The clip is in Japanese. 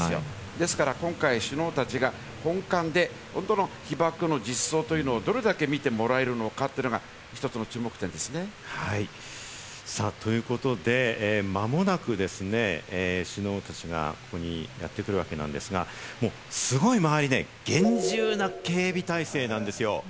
ですから今回、首脳たちが本館で本当の被爆の実相というものをどれだけ見てもらえるのか、注目点ということで、間もなく首脳たちがここにやってくるわけですが、すごい、周り厳重な警備体制なんですよ。